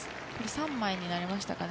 ３枚になりましたかね？